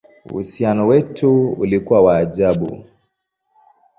Uhusiano wetu ulikuwa wa ajabu!